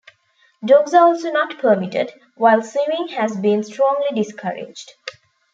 Dogs are also not permitted, while swimming has been strongly discouraged.